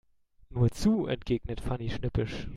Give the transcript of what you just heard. Nur zu, entgegnet Fanny schnippisch.